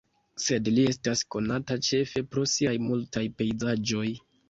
Sed li estas konata ĉefe pro siaj multaj pejzaĝoj.